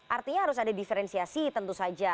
artinya harus ada diferensiasi tentu saja